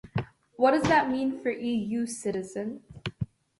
What does that mean for EU-citizen?